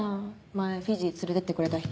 前フィジー連れてってくれた人。